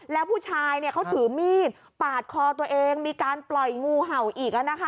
แล้วผู้ชายเขาถือมีดปาดคอตัวเองมีการปล่อยงูเห่าอีก